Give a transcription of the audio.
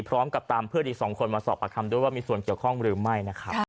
พร้อมกับตามเพื่อนอีก๒คนมาสอบประคำด้วยว่ามีส่วนเกี่ยวข้องหรือไม่นะครับ